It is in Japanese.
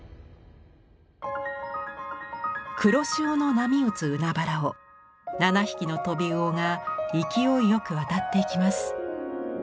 黒潮の波打つ海原を７匹のトビウオが勢いよく渡っていきます。